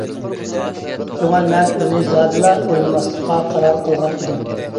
شۇڭا مەن ئۇنى زادىلا ئوينىماسلىققا قارار قىلغان ئىدىم.